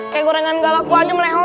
kayak gorengan galap wajem leho